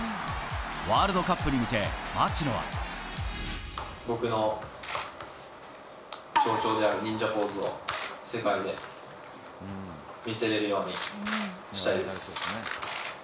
ワールドカップに向け、僕の象徴である忍者ポーズを、世界で見せれるようにしたいです。